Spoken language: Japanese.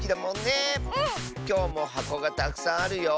きょうもはこがたくさんあるよ。